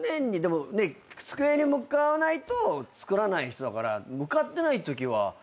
机に向かわないと作らない人だから向かってないときは。